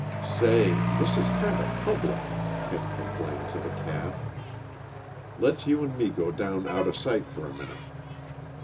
"Say this is kinda public," Kent complained to the calf. "Let's you and me go down outa sight for a minute."